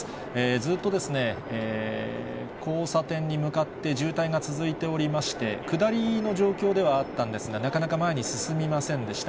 ずっとですね、交差点に向かって渋滞が続いておりまして、下りの状況ではあったんですが、なかなか前に進みませんでした。